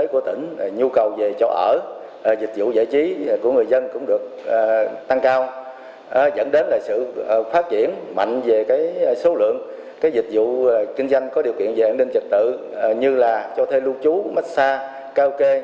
các vụ việc trên đường dịch vụ kinh doanh có điều kiện về an ninh trật tự như là thuê lưu trú massage cao kê